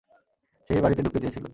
সে এই বাড়িতে ঢুকতে চেয়েছিল।